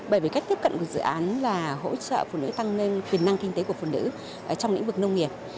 bởi vì cách tiếp cận của dự án là hỗ trợ phụ nữ tăng lên tiềm năng kinh tế của phụ nữ trong lĩnh vực nông nghiệp